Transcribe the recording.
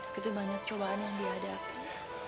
gitu banyak cobaan yang dihadapi